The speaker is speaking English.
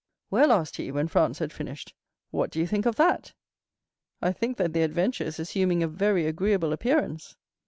"Well," asked he, when Franz had finished, "what do you think of that?" "I think that the adventure is assuming a very agreeable appearance."